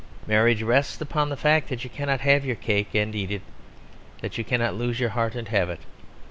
Marriage rests upon the fact that you cannot have your cake and eat it; that you cannot lose your heart and have it.